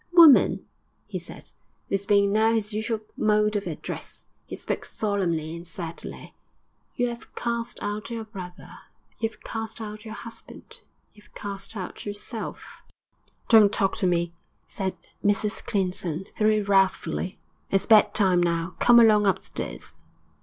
'Woman,' he said, this being now his usual mode of address he spoke solemnly and sadly 'you 'ave cast out your brother, you 'ave cast out your husband, you 'ave cast out yourself.' 'Don't talk to me!' said Mrs Clinton, very wrathfully. 'It's bed time now; come along upstairs.'